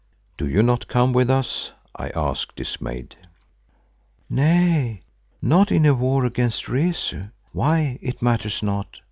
"Do you not come with us?" I asked, dismayed. "Nay, not in a war against Rezu, why it matters not.